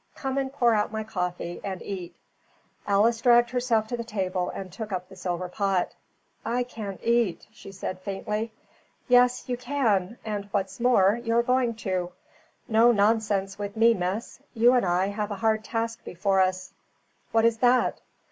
"Come and pour out my coffee, and eat." Alice dragged herself to the table and took up the silver pot. "I can't eat," she said faintly. "Yes, you can; and, what's more, you're going to. No nonsense with me, miss. You and I have a hard task before us." "What is that?"